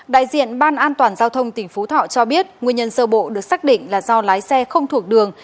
đại diện ban an toàn giao thông tỉnh phú thọ cho biết nguyên nhân sơ bộ được xác định là do lái xe không thuộc đường